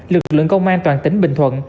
lực lượng công an toàn tỉnh bình thuận